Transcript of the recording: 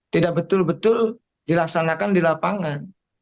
tidak betul betul dilaksanakan di lapangan